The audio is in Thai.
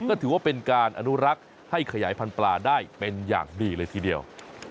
ก็ถือว่าเป็นการอนุรักษ์ให้ขยายพันธุปลาได้เป็นอย่างดีเลยทีเดียว